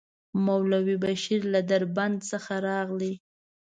مولوي بشير له دربند څخه راغی.